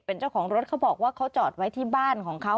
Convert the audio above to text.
เป็นเจ้าของรถเขาบอกว่าเขาจอดไว้ที่บ้านของเขา